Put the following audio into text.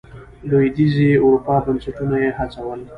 لوېدیځې اروپا بنسټونه یې هڅول.